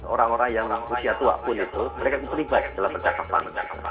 orang orang yang usia tua pun itu mereka terlibat dalam percakapan